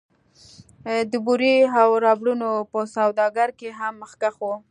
د بورې او ربړونو په سوداګرۍ کې هم مخکښ و